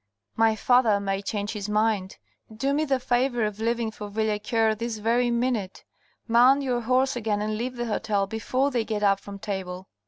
" My father may change his mind ; do me the favour ot leaving for Villequier this very minute. Mount your horse again, and leave the hotel before they get up from table."